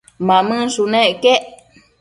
Mamënshunec quec